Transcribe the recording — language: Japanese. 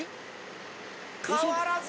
変わらず！